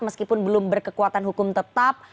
meskipun belum berkekuatan hukum tetap